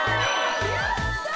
やったー！